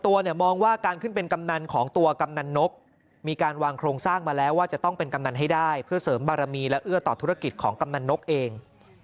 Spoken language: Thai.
ตัวเนี่ยมองว่าการขึ้นเป็นกำนันของตัวกำนันนกมีการวางโครงสร้างมาแล้วว่าจะต้องเป็นกำนันให้ได้เพื่อเสริมบารมีและเอื้อต่อธุรกิจของกำนันนกเอง